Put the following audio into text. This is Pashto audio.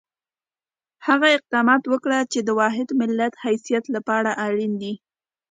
هغه اقدامات وکړو چې د واحد ملت حیثیت لپاره اړین دي.